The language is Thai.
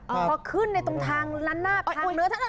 พอขึ้นในตรงทางร้านหน้าทาง